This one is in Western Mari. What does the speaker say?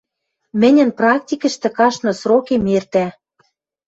Мӹньӹн практикӹштӹ каштмы срокем эртӓ.